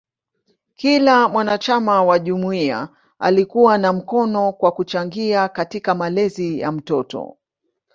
Kila mwanachama wa jumuiya alikuwa na mkono kwa kuchangia katika malezi ya mtoto.